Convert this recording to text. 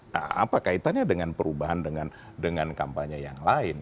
nah apa kaitannya dengan perubahan dengan kampanye yang lain